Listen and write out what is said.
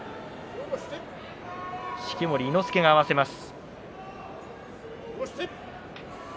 式守伊之助が合わせます。